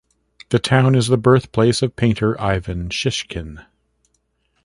The town is the birthplace of painter Ivan Shishkin.